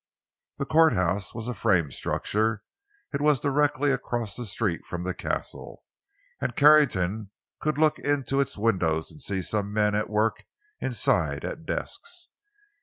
The courthouse was a frame structure. It was directly across the street from the Castle, and Carrington could look into its windows and see some men at work inside at desks.